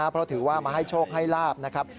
เพราะถือว่ามาให้โชคให้ลาบนะครับ